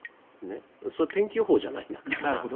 それは天気予報じゃないんだから。